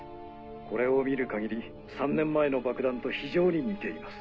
これを見る限り３年前の爆弾と非常に似ています。